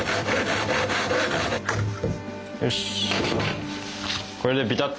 よし。